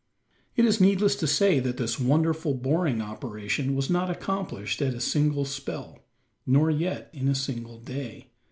It is needless to say that this wonderful boring operation was not accomplished at a single "spell," nor yet in a single day.